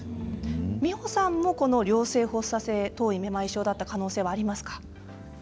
美穂さんも良性発作性頭位めまい症だった可能性はありますか。